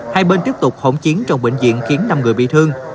hai bên tiếp tục hỗn chiến trong bệnh viện khiến năm người bị thương